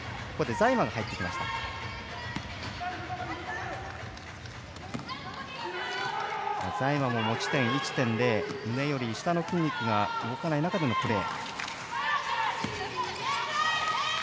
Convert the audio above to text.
財満も持ち点１．０胸より下の筋肉が動かない中でのプレー。